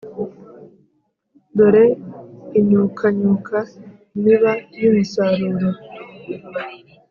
dore inyukanyuka imiba y’umusaruro;